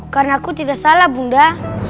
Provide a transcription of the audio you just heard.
karena aku tidak salah bunda